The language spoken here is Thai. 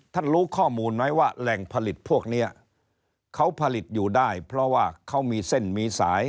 รู้ข้อมูลไหมว่าแหล่งผลิตพวกนี้เขาผลิตอยู่ได้เพราะว่าเขามีเส้นมีสาย